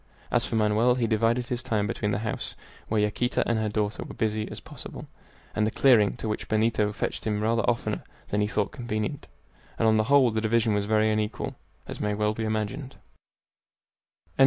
As for Manoel, he divided his time between the house, where Yaquita and her daughter were as busy as possible, and the clearing, to which Benito fetched him rather oftener than he thought convenient, and on the whole the division was very unequal, as may well be imagined.